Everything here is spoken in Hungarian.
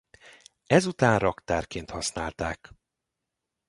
Ezután raktárként használták.